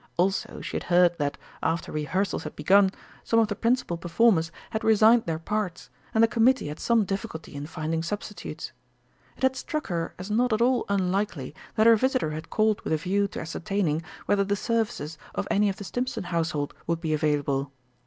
Also she had heard that, after rehearsals had begun, some of the principal performers had resigned their parts, and the Committee had some difficulty in finding substitutes. It had struck her as not at all unlikely that her visitor had called with a view to ascertaining whether the services of any of the Stimpson household would be available.